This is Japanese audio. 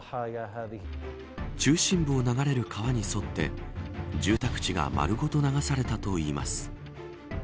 中心部を流れる川に沿って住宅地が丸ごと流されたといいます。